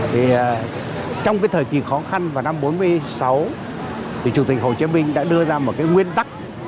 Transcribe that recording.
thì trong cái thời kỳ khó khăn và năm bốn mươi sáu thì chủ tịch hồ chí minh đã đưa ra một cái nguyên tắc